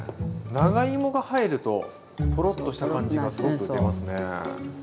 長芋が入るとトロッとした感じがすごく出ますね。